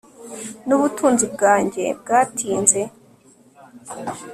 Nubutunzi bwanjye bwatinze